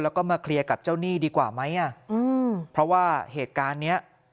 แล้วก็มาเคลียร์กับเจ้าหนี้ดีกว่าไหมอ่ะอืมเพราะว่าเหตุการณ์เนี้ย